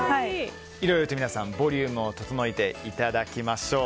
皆さん、ボリュームを整えていただきましょう。